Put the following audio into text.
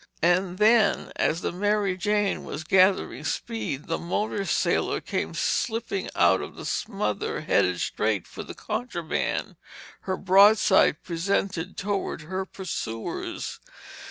And then as the Mary Jane was again gathering speed, the motor sailor came slipping out of the smother headed straight for the contraband, her broadside presented toward her pursuers.